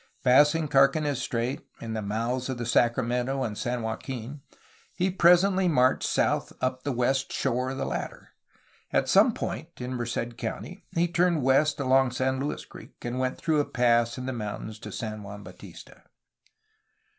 Passing Carquines Strait and the mouths of the Sacramento and San Joaquin, he presently marched south up the west shore of the latter. At some point in Merced County he turned west along San Luis Creek, and went through a pass in the mountains to San Juan Bautista.